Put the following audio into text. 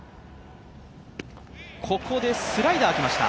ここでスライダーが来ました。